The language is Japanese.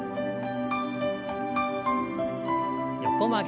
横曲げ。